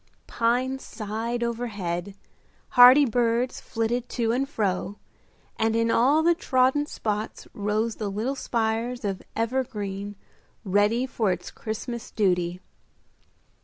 Pines sighed overhead, hardy birds flitted to and fro, and in all the trodden spots rose the little spires of evergreen ready for its Christmas duty.